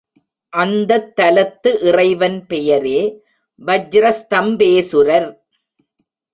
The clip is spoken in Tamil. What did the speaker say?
அந்தத் தலத்து இறைவன் பெயரே வஜ்ரஸ்தம்பேசுரர்.